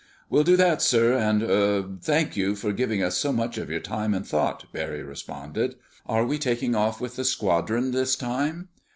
"We'll do that, sir, and—er—thank you for giving us so much of your time and thought," Barry responded. "Are we taking off with the squadron this time?"